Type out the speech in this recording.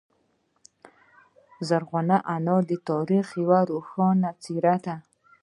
زرغونه انا د تاریخ یوه روښانه څیره ده.